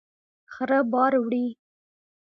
خره بار وړي.